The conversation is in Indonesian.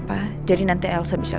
pertanya hampa apa